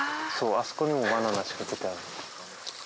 あそこにもバナナ仕掛けてある。